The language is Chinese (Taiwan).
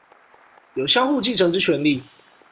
有相互繼承之權利